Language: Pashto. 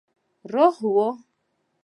روح وو.